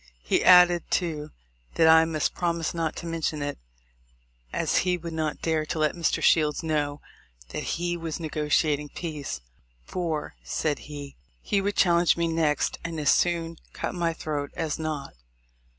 He added, too, that I must promise not to mention it, as he would not dare to let Mr. Shields know that he was negotiating peace; for, said he, "He would challenge me next, and as soon cut my throat as not."